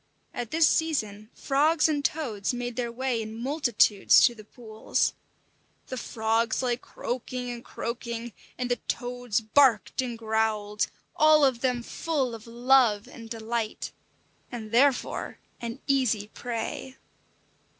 At this season frogs and toads made their way in multitudes to the pools. The frogs lay croaking and croaking, and the toads barked and growled, all of them full of love and delight, and therefore an easy prey.